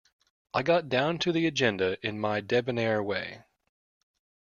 I got down to the agenda in my debonair way.